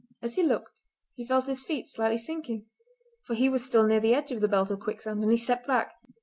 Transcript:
As he looked he felt his feet slightly sinking, for he was still near the edge of the belt of quicksand, and he stepped back.